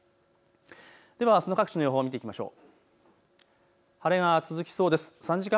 ではあすの各地の予報を見ていきましょう。